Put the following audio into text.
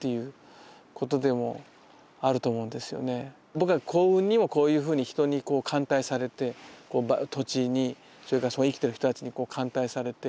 僕は幸運にもこういうふうに人に歓待されて土地にそれからそこに生きてる人たちに歓待されて。